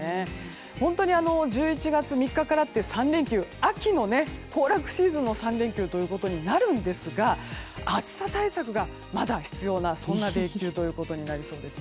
本当に１１月３日からって秋の行楽シーズンの３連休となるんですが暑さ対策がまだ必要な連休となりそうです。